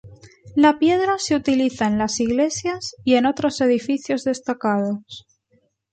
La piedra se utiliza en las iglesias y en otros edificios destacados.